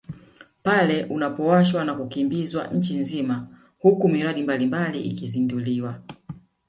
Pale unapowashwa na kukimbizwa nchi nzima huku miradi mbalimbali ikizinduliwa